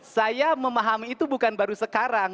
saya memahami itu bukan baru sekarang